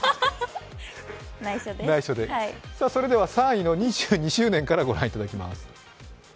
それでは３位の２２周年からご覧いただきます。